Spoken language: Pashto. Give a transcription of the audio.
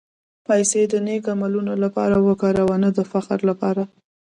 پېسې د نېک عملونو لپاره وکاروه، نه د فخر لپاره.